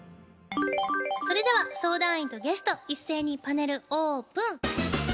それでは相談員とゲスト一斉にパネルオープン。